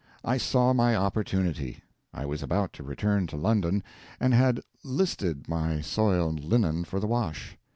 I saw my opportunity: I was about to return to London, and had "listed" my soiled linen for the wash.